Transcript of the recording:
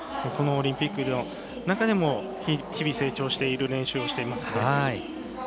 このオリンピックの中でも日々成長している練習をしてますね。